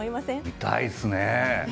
見たいですね。